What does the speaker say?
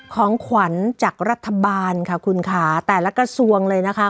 ของขวัญจากรัฐบาลค่ะคุณค่ะแต่ละกระทรวงเลยนะคะ